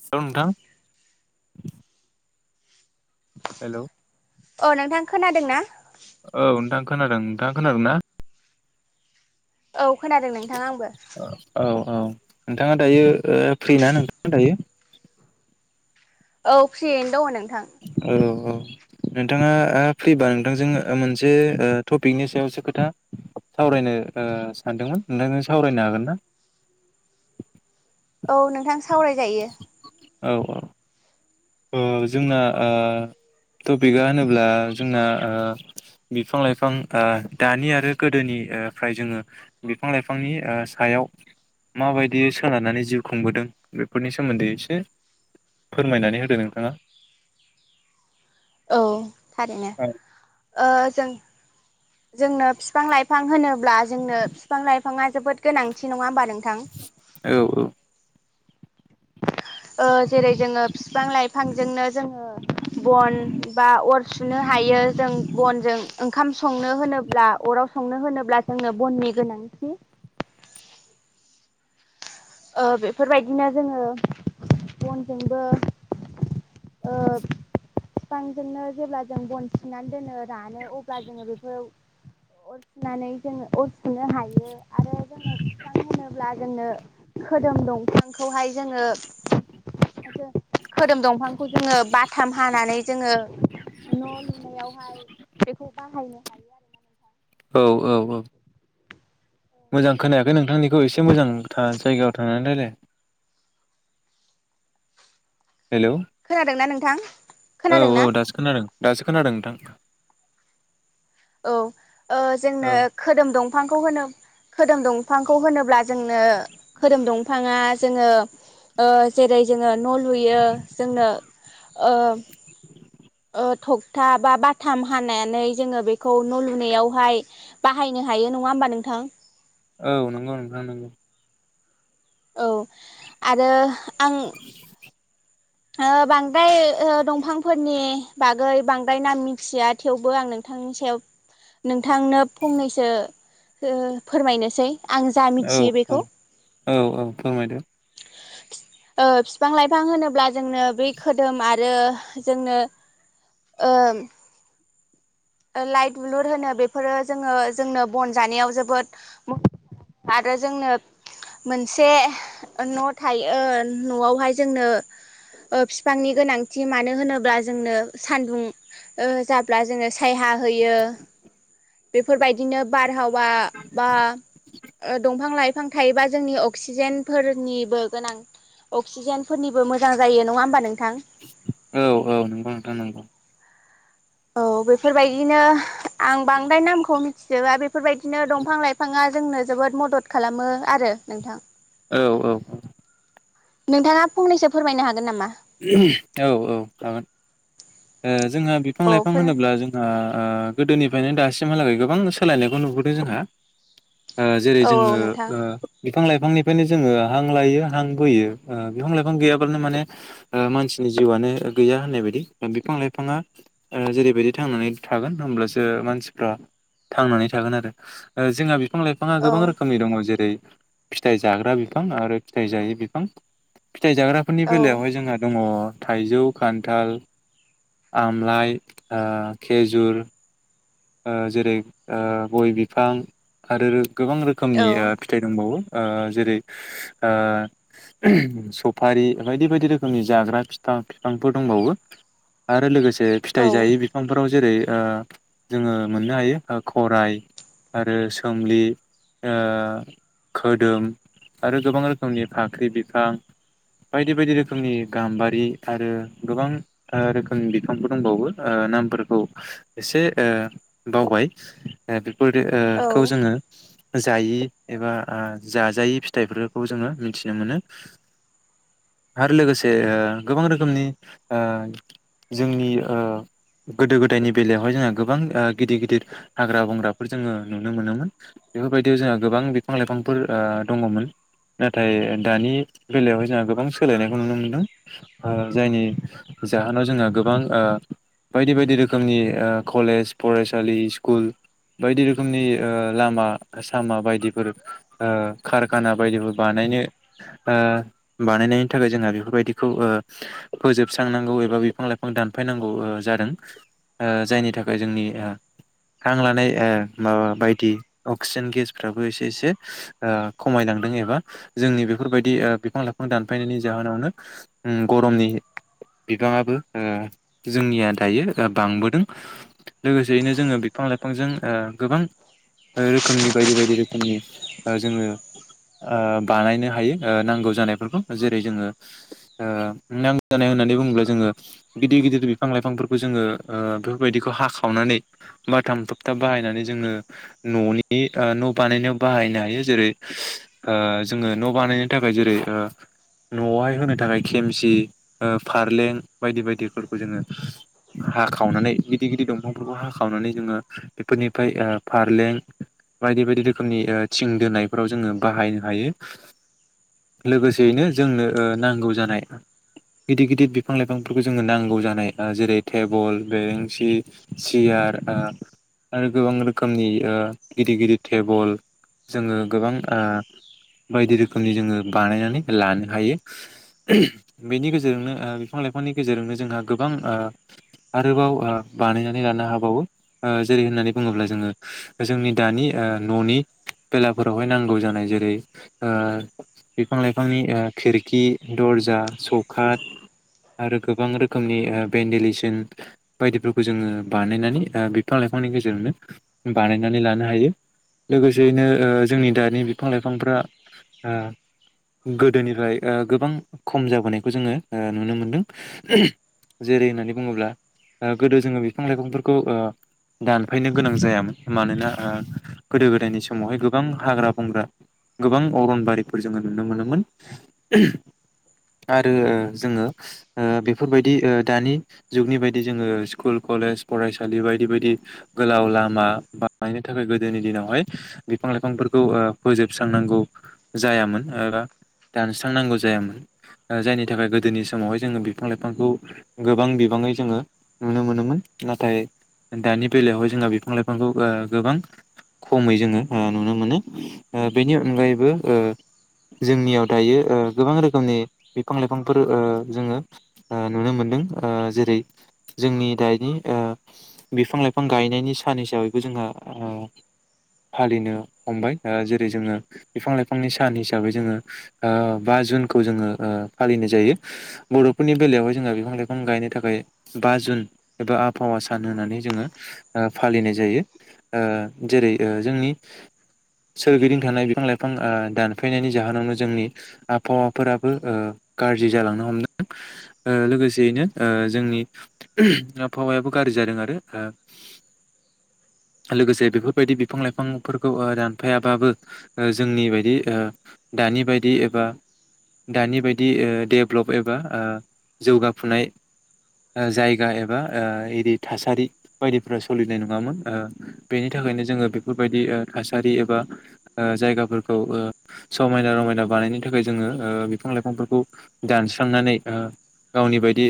[inaudible] लौ नोंथां। हेल'। अह नोंथां खोनादोंना? औ नोंथां खोनादों नोंथाङा खोनादोंना? औ खोनादों नोंथां आंबो। औ औ नोंथाङा दायो ओ फ्रिना नोंथा [inaudible] दायो? औ फ्रियैनो दङ नों औ औ नोंथाङा फैबा नोंथांजों मोनसे ओ टपिकनि सायावसो खोथा सावरायनो ओ सानदोंमोन नोंथांजों सावरायनो हागोन ना? औ नोंथां सावरायजायो। औ औ जोंना आ टपिकआ होनोब्ला जोंना आ बिफां लाइफां आ दानि आरो गोदोनिफ्राय जोङो बिफां लाइफांनि आ सायाव माबायदि सोनारनानै जिउ खुंबोदों बेफोरनि सोमोन्दै एसे फोरमायनानै हो दों नोंथाङा औ थारैनो ओ जों जोंनो बिफां-लाइफां होनोब्ला जोंनो बिफां लाइफाङा जोबोद गोनांथि नङा होमबा नों औ औ ओ जेरै जोङो बिफां लाइफांजोंनो जोङो बन बा अर सुनो हायो जों बनजों खाम संनो होनोब्ला अराव संनो होनोब्ला जोंनो बननि गोनांथि ओ बेफोरबायदिनो जोङो बनजोंबो ओ बिफांजोंनो जेब्ला जों बन सिनानै दोनो - जानो अब्ला जोङो बेफोर अर सुनानै जों अर सुनो हायो । आरो जोङो बिफां होनोब्ला जोंनो खोदोम दंफां। खौहाय जोङोथ खदोम दंफांखौ जोङो बाथाम हानानै जोङो न' लुनायावहाय बेखौ बाहायनो हायो आरो नोंथां। औ औ औ मोजां जेरै खोनायाखै जोङो नोंथांनिखौ एसे मोजां था जायगायाव थांनानै रायलाय। हेलौ खोनादोंना नों थां औ औ दासो खोनादों दासो खोनादों नोंथां औ ओ औ जोंनो खोदोम दंफांखौ होनो खोदोम दंफांखौ होनोब्ला जोंनो खोदोम दं फाङा जोङो ओ जेरै जोङो न' लुयो जोंनो ओ ओ थगथा बा बाथाम हानानै जोङो बेखौ न' लुनायावहाय बाहायनो हायो नङा होमबा नोंथां औ नंगौ नोंथां नंगौ औ आरो आं ओ बांद्राय ओ दंफांफोरनि बागै बांद्राय नाम मिथिया थेवबो आं नोंथांनि सायाव नोंथांनो फंनैसो फो फोरमायनोसै आं जा औ मिथियो औ बेखौ औ औ फोरमायदो ओ बिफां लाइफां होनोब्ला जोंनो बै खोदोम आरो जोंनो ओ लाइ दुलुर होनो बेफोरो जोङो जोंनो बन जानायाव जोबोद मस आरो जोंनो मोनसे न' थायो न'आवहाय जोंनो ओ फिफांनि गोनांथि मानो होनोब्ला जोंनो सानदुं ओ जाब्ला जोङो सायहा होयो बेफोर बायदिनो बारहाव वा बा ओ दंफां लाइ फां थायोबा जोंनि अक्सिजेनफोरनिबो गोनां अक्सिजेनफोरनिबो मोजां जायो नङा होमबा नों औ औ नोंगौ नोंथां नंगौ। औ बेफोरबायदिनो आं बांद्राय नामखौ मिथिजोबा बेफोरबायदिनो दंफां-लाइफाङा जोंनो जोबोद मदद खालामो आरो नोंथां। औ औ औ नोंथाङा फंनैसो फोरमायनो हागोन नामा? औ औ हागोन ओ जोंहा औ बिफां-लाइफां फोर होनोब्ला जोंहा ओ गोदोनि फायनो दासिमहालागै गोबां सोलायनायखौ नुबोदों जोंहा। ओ जेरै औ जोङो नोंथां ओ बिफां-लाइफांनिफ्रायनो जोङो हां लायो हां बोयो ओ बिफां-लाइफां गैयाब्लानो माने ओ मानसिनि जिउआनो गैया होननाय बायदि। बिफां लाइफाङा ओ जेरैबायदि थांनानै थागोन होमब्लासो मानसिफ्रा थांनानै थागोन आरो ओ जोंहा बि बिफां-लाइफाङा औ गोबां रोखोमनि दङ जेरै फिथाइ जाग्रा बिफां आरो फिथाय जायै बिफां। फिथाइ जाग्राफोरनि औ बेलायावहाय जोंहा दङ थाइजौ, खान्थाल आमलाइ, ओ खेजुर ओ जेरै ओ गय बिफां आरो गोबां रोखोमनि औ ओ फिथाइ दंबावो ओ जेरै ओ सफारि बायदि बायदि रोखोमनि जाग्रा फिफां फिफांफोर दंबावो आरो लोगोसे जे फिथाइ जायै बिफांफोराव जेरै दा जोङो मोननो हायो ओ खराइ आरो सोमलि ओ खोदोम आरो गोबां रोखोमनि फाख्रि बिफां बायदि बायदि रोखोमनि गाम्बारि आरो गोबां ओ रोखोमनि बिफांफोर दंबावो नामफोरखौ एसे ओ बावबाय ओ बे फोर ओ औ खौ जोङो जायि एबा जाजायै फिथाइफोरखौ जोङो मिथिनो मोनो आरो लोगोसे ओ गोबां रोखोमनि ओ जोंनि ओ गोदो गोदायनि बेलायावहाय जोंहा गोबां ओ गिदिर गिदिर हाग्रा बंग्राफोर जोङो नुनो मोनोमोन। बेफोरबायदियाव जोंहा गोबां बिफां लाइफांफोर दङमोन नाथाय दानि बेलायावहाय जोंहा गोबां सोलायनायखौ नुनो मोनदों, जायनि जाहोनाव जोंहा गोबां ओ बायदि बायदि रोखोमनि ओ कलेज, फरायसालि, स्कुल बायदि रोखोमनि ओ लामा सामा बायदिफोर ओ कारखाना बायदिफोर बानायनो ओ बानायनायनि थाखाय जोंहा बेफोरबायदिखौ ओ फोजोबस्रांनांगौ एबा बिफां-लाइफां दानफायनांगौ ओ जादों ओ जाय नि थाखाय जोंनि हां लानाय ओ माबा बायदि अक्सिजेन गेसफ्राबो एसे एसे ओ खमायलांदों एबा जोंनि बेफोरबायदि ओ बिफां-लाइफां दानफायनायनि जाहोनावनो उमम गरमनि बिबाङाबो ओ जोंनिया दायो बांबोदों। लोगोसेयैनो जोङो बिफां-लाइफांजों ओ गोबां रोखोमनि बायदि बायदि रोखोमनि ओ जोङो बानायनो हायो नांगौ जानायफोरखौ जेरै- जोङो नांगौ जानाय होननानै बुङोब्ला जोङो गिदिर गिदिर बिफां-लाइफांफोरखौ जोङो ओ बेफोरबायदि बेखौ हाखावनानै बाथाम थबथाब बाहायनानै जोङो न'नि ओ न' बानायनायाव बाहायनो हायो जेरै ओ जोङो न' बानायनो थाखाय जेरै ओ न'आवहाय होनो थाखाय खेमसि ओ फारलें बायदि बायदिफोरखौ जोङो हाखावनानै गिदिर गिदिर दंफांफोरखौ हाखावनानै जोङो बेफोरनिफ्राय फारलें बायदि बायदि रोखोमनि ओ थिं दोनायफोराव जोङो बाहायनो हायो। लोगोसेयैनो जोंनो ओ नांगौ जानाय गिदिर गिदिर बिफां लाइफांफोरखौ जोंनो नांगौ जानाय जेरै- टेबोल, बेरें सि, सियार ओ आरो गोबां रोखोमनि ओ गिदिर गिदिर टेबोल जोङो गोबां ओ बायदि रोखोमनि जोङो बानायनानै लानो हायो। बेनि गेजेरजोंनो ओ बिफां-लाइफांनि गेजेरजोंनो जोंहा गोबां ओ आरोबाव ओ बानायनानै लानो हाबावो। ओ जेरै होननानै बुङोब्ला जोङो जोंनि दानि ओ न'नि बेलाफोरावहाय नांगौ जानाय जेरै- ओ बिफां-लाइफांनि ओ खिरखि, दरजा सौखाट आरो गोबां रोखोमनि ओ भेन्डिलेसन बायदिफोर खौ जोङो बानायनानै ओ बिफां लाइफांनि गेजेराजोंनो बानायनानै लानो हायो। लोगोसेयैनो ओ जोंनि दानि बिफां-लाइफांफ्रा ओ गोदोनिफ्राय ओ गोबां खम जाबोनायखौ जोङो ओ नुनो मोनदों। जेरै होननानै बुङोब्ला ओ गोदो जोङो बिफां लाइफांफोरखौ ओ दानफायनो गोनां जायामोन। मानोना ओ गोदो गोदायनि समावहाय गोबां हाग्रा-बंग्रा, गोबां अरनबारिफोर जोङो नुनो मोनोमोन आरो जोङो ओ बेफोरबायदि ओ दानि जुगनि बायदि जोङो स्कु स्कुल, कलेज, फरायसालि बायदि बायदि गोलाव लामा बानायनो थाखाय गोदोनि दिनावहाय बिफां लाइफांफोरखौ ओ फोजोबस्रांनांगौ जायामोन एबा दानस्रांनांगौ जायामोन। जायनि थाखाय गोदोनि समावहाय जोङो बिफां लाइफांखौ गोबां बिबाङै जोङो नुनो मोनोमोन। नाथाय दानि बेलायावहाय जोंहा बिफां लाइफांखौ ओ गोबां खमै जोङो ओ नुनो मोनो, बेनि अनगायैबो ओ जोंनियाव दायो ओ गोबां रोखोमनि बिफां-लाइफांफोर ओ जोङो ओ नुनो मोनदों, जेरै जोंनि दानि ओ बिफां-लाइफां गायनायनि सान हिसाबैबो जोंहा फालिनो हमबाय, ओ जेरै जोङो बिफां-लाइफांनि सान हिसाबै जोङो बा जुनखौ जोङो फालिनाय जायो। बर'फोरनि बेलायावहाय जोंहा बिफां-लाइफां गायनो थाखाय बा जुन एबा आबहावा सान होननानै जोङो आ फालिनाय जायो। ओ जेरै ओ जोंनि सोरगिदिं थानाय बिफां लाइफां ओ दानफायनायनि जाहोनावनो ओ जोंनि आबहावाफोराबो ओ गाज्रि जालांनो हमदों। ओ लोगोसेयैनो ओ जोंनि । आबहावायाबो गाज्रि जादों आरो लोगोसे बेफोरबायदि बिफां लाइफांफोरखौ दानफायाबाबो जोंनि बायदि ओ दानि बायदि एबा दानि बायदि ओ देडेभ्लप एबा जौगाफुनाय । जायगा एबा आ एरि थासारि बायदिफोरा सोलिनाय नङामोन। ओ बेनि थाखायनो जोङो बेफोरबायदि ओ थासारि एबा जायगाफोरखौ ओ समायना रमायना बानायनो थाखाय जोङो ओ बिफां लाइफांफोरखौ दानस्रांनानै ओ गावनि बायदि।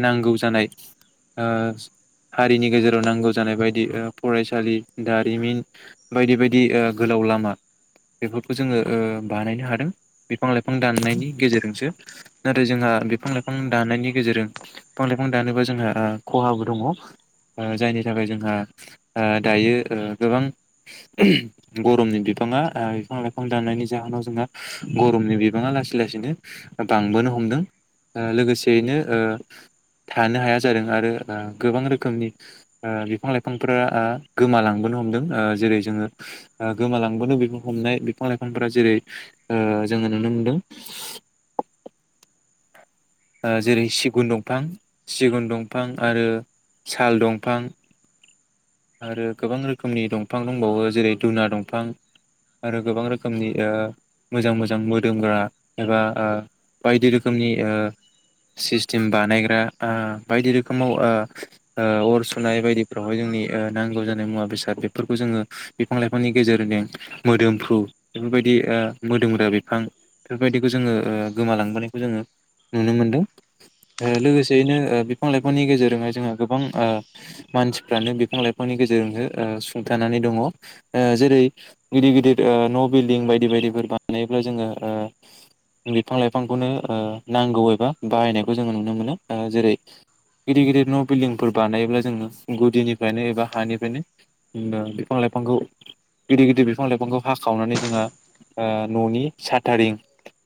नांगौ जानाय ओ हारिनि गेजेराव नांगौ जानाय बायदि ओ फरायसालि दारिमिन बायदि बायदि ओ गोलाव लामा बेफोरखौ जोङो ओ बानायनो हादों। बिफां लाइफां दाननायनि गेजेरजोंसो नाथाय जोंहा बिफां लाइफां दाननायनि गेजेरजों । बिफां लाइफां दानोबा जोंहा ओ खहाबो दङ, जायनि थाखाय जोंहा ओ दायो गोबां गरमनि बिबांङा ओ बिफां लाइफां दाननायनि जाहोनाव ङा गरमनि बिबां बिबाङा लासै लासैनो बांबोनो हमदों, लोगोसेयैनो ओ थानो हाया जादों आरो गोबां रोखोमनि ओ बिफां लाइफांफोरा ओ गोमालांबोनो हमदों। जेरै जोङो गोमालांबोनो हमनाय बिफां लाइफांफोरा जेरै ओ जोङो नुनो मोनदों। जेरै- सिगुन दंफां सिगुन दंफां आरो साल दंफां। आरो गोबां रोखोमनि दंफां दंबावो जेरै- दुना दंफां आरो गोबां रोखोमनि ओ मोजां मोजां मोदोमग्रा एबा बायदि रोखोमनि सिस्टेम बानायग्रा ओ बायदि रोखोमाव ओ ओ अर सुनाय बायदिफ्रावहाय जोंनि। ओ नांगौ जानाय मुवा बेसाद बेफोरखौ जोङो बिफां लाइफांनि गेजेरजों मोदोमफ्रु बेफोरबायदि ओ मोदोमग्रा बिफां बेफोरबायदिखौ जोङो ओ गोमालांबोनायखौ जोङो नुनो मोनदों। लोगोसेयैनो ओ बिफां लाइफांनि गेजेरजोंहाय जोंहा ओ गोबां मानसिफ्रानो । बिफां लाइफांनि गेजेरजोंसो ओ सुंथानानै दङ। ओ जेरै- गिदिर गिदिर ओ न' बिल्डिं बायदि बायदिफोर बानायोब्ला जोङो ओ बिफां लाइफांखौनो नांगौ एबा बाहायनायखौ जोङो नुनो मोनो ओ जेरै- गिदिर गिदिर न' बिल्दिंफोर बानायोब्ला जोङो गुदिनि। बानायोबा हानिफ्रायनो ओ बिफां लाइफांखौ गिदिर गिदिर बिफां लाइफांखौ हावखावनानै जोङो ओ ननि साथारिं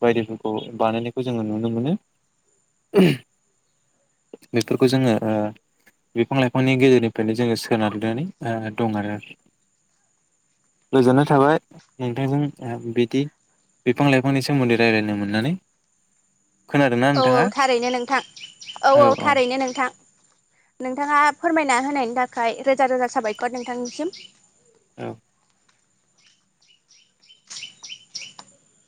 बायदिफोरखौ बानायनायखौ जोङो नुनो मोनो। ओहोम बेफोरखौ जोङो ओ बिफां लाइफांनि गेजेरनि फ्रायनो जोङो सोनारनानै दं आरो। गोजोननाय थाबाय नोंथांजों बिदि बिफां-लाइफांनि सोमोन्दै रायजलायनो मोननानै। खोनादोंना औ औ नोंथाङा थारैनो नोंथां औ औ थारैनो नोंथां। नोंथाङा फोरमायना होनायनि थाखाय रोजा रोजा साबायखर नोंथांनिसिम। औ